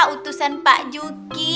utusan pak juki